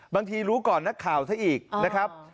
รู้ก่อนนักข่าวซะอีกนะครับ